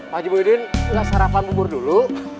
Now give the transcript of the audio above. pak haji muhyiddin enggak sarapan umur dulu